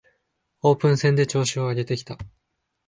オープン戦で調子を上げてきた